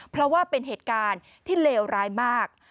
เพราะว่าเป็นเหตุการณ์ที่เลวร้ายมาก